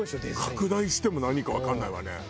拡大しても何かわかんないわね。